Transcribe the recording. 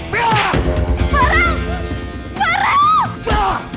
pasok bajuku bajuku